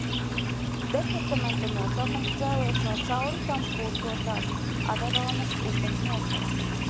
Departamenta nosaukums cēlies no cauri tam plūstošās Averonas upes nosaukuma.